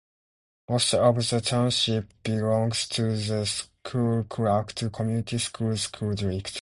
Most of the township belongs to the Schoolcraft Community Schools school district.